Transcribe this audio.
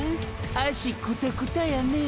脚クタクタやね？